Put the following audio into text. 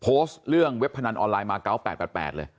โพสต์เรื่องเว็บพนันออนไลน์มา๙๘๘เลย